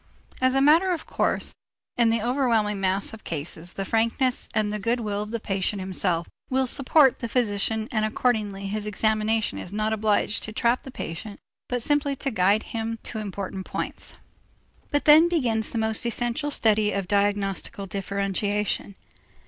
As a matter of course, in the overwhelming mass of cases the frankness and the good will of the patient himself will support the physician and accordingly his examination is not obliged to trap the patient but simply to guide him to important points. But then begins the most essential study of diagnostical differentiation.